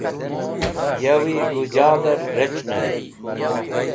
Yow Gujaler Rec̃hner